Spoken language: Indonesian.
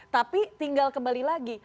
tapi tinggal kembali lagi